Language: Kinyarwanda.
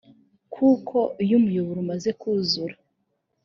kuko iyo umuyoboro umaze kuzura